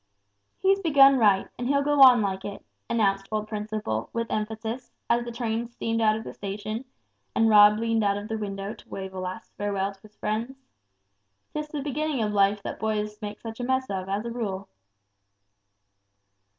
"He's begun right, and he'll go on like it," announced old Principle, with emphasis, as the train steamed out of the station, and Rob leaned out of the window to wave a last farewell to his friends. "'Tis the beginnin' of life that boys make such a mess of, as a rule!"